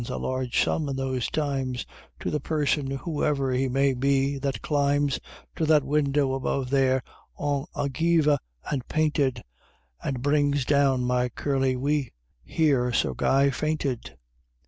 (a large sum in those times) "To the person, whoever he may be, that climbs To that window above there, en ogive, and painted, And brings down my curly wi' " Here Sir Guy fainted!